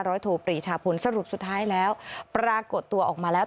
โทปรีชาพลสรุปสุดท้ายแล้วปรากฏตัวออกมาแล้ว